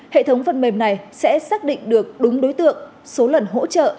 hệ thống phần mềm này sẽ xác định được đúng đối tượng số lần hỗ trợ